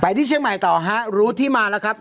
ที่เชียงใหม่ต่อฮะรู้ที่มาแล้วครับ